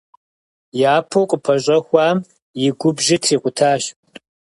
Япэу къыпэщӀэхуам и губжьыр трикъутащ.